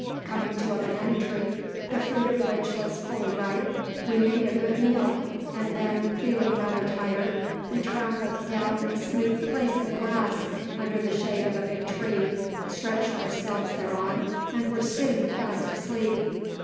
Coming to a banana tree, the fruit of which was fully ripe, we made a good meal, and then, feeling rather tired, we trampled down a smooth place in the grass, under the shade of a big tree, stretched ourselves thereon, and were soon fast asleep.